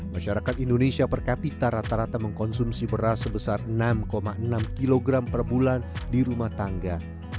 masyarakat indonesia per kapita rata rata mengkonsumsi beras sebesar enam enam kg per bulan di rumah tangga